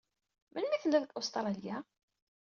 Melmi i telliḍ deg Ustṛalya?